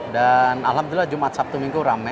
dan alhamdulillah jumat sabtu minggu rame